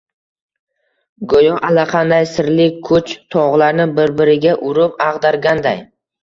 Go`yo allaqanday sirli kuch, tog`larni bir-biriga urib ag`darganday